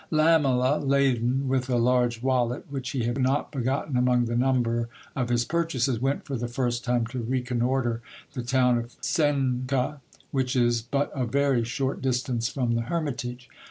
Lamela, laden with a large wallet which he had not forgotten among the number of his purchases, went for the first time to reconnoitre the town of Cuenca, which is but a very short distance from the hermitage.